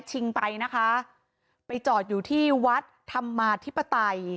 ชิงไปนะคะไปจอดอยู่ที่วัดธรรมาธิปไตย